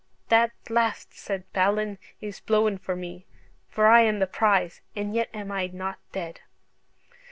'That blast,' said Balin, 'is blowen for me, for I am the prize, and yet am I not dead.'"